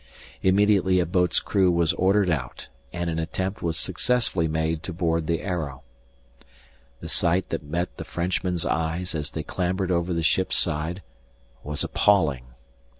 Immediately a boat's crew was ordered out and an attempt was successfully made to board the Arrow. The sight that met the Frenchmen's eyes as they clambered over the ship's side was appalling.